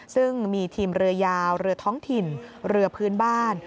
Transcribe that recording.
ซึ่งมีทีมเรือยาวเรือท้องถิ่นเรือพื้นบ้าน